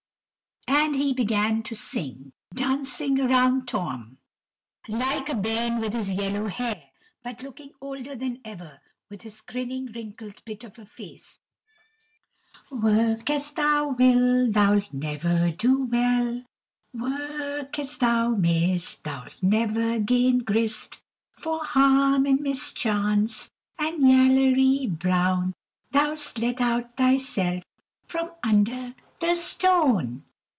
And he began to sing, dancing round Tom, like a bairn with his yellow hair, but looking older than ever with his grinning wrinkled bit of a face: "Work as thou will Thou 'lt never do well; Work as thou mayst Thou 'lt never gain grist; For harm and mischance and Yallery Brown Thou 'st let out thyself from under the stone."